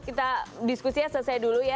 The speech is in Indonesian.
kita diskusinya selesai dulu ya